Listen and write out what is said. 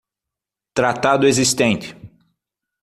Tratado existente